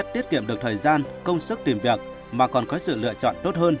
tiết kiệm được thời gian công sức tìm việc mà còn có sự lựa chọn tốt hơn